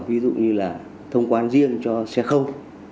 ví dụ như là thông quan riêng cho xe khâu